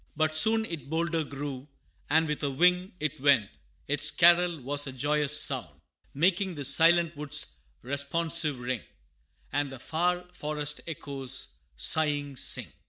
But soon it bolder grew, and with a wing It went: its carol was a joyous sound, Making the silent woods responsive ring, And the far forest echoes, sighing, sing.